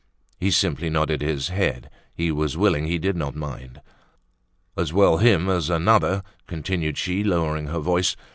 He simply nodded his head. He was willing; he did not mind. "As well him as another," continued she, lowering her voice.